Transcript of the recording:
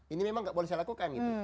ini memang nggak boleh dilakukan gitu